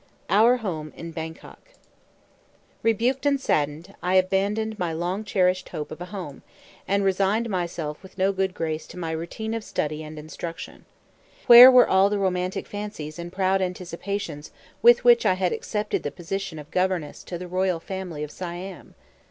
OUR HOME IN BANGKOK Rebuked and saddened, I abandoned my long cherished hope of a home, and resigned myself with no good grace to my routine of study and instruction. Where were all the romantic fancies and proud anticipations with which I had accepted the position of governess to the royal family of Siam?